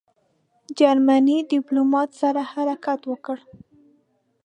جرمني ډیپلوماټ سره حرکت وکړ.